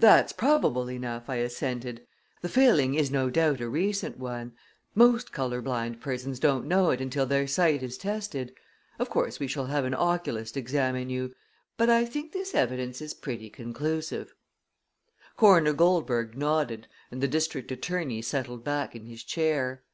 "That's probable enough," I assented. "The failing is no doubt a recent one. Most color blind persons don't know it until their sight is tested. Of course, we shall have an oculist examine you; but I think this evidence is pretty conclusive." Coroner Goldberg nodded, and the district attorney settled back in his chair.